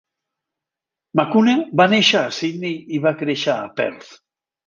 McCune va néixer a Syndey i va créixer a Perth.